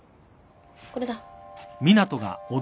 これだ。